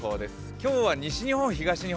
今日は西日本、東日本